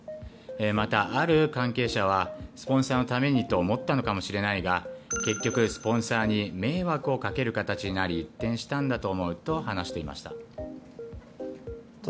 また、ある関係者はスポンサーのためにと思ったのかもしれないが結局、スポンサーに迷惑をかける形になり一転したんだと思うと話していました。